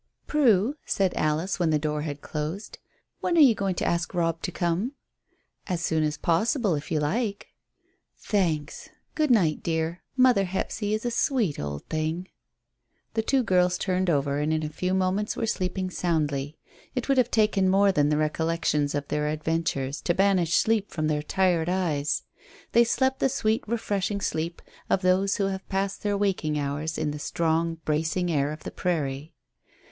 "Prue," said Alice, when the door had closed, "when are you going to ask Robb to come?" "As soon as possible, if you like." "Thanks. Good night, dear; mother Hephzy is a sweet old thing." The two girls turned over, and in a few moments were sleeping soundly. It would have taken more than the recollections of their adventures to banish sleep from their tired eyes. They slept the sweet refreshing sleep of those who have passed their waking hours in the strong, bracing air of the prairie.